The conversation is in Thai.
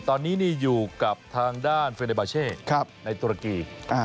ตอนนี้อยู่กับทางด้านเฟเนบาเช่ในตุรกี